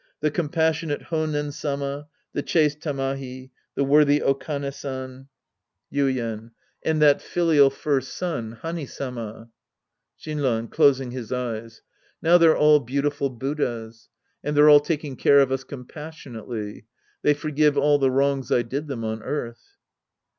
The compassionate Honen Sama, the chaste Tamahi, the worthy Okane San — 130 The Priest and His Disciples Act III Yuien. And that filial first son, Hani Sama. Shinran {closing his eyes). No>v they're all beautiful Buddhas. And they're all taking care of us compas sionately. They forgive all the wrongs I did them on earth.